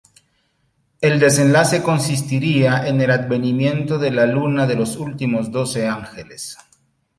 El desenlace consistiría en el advenimiento desde la Luna de los últimos doce Ángeles.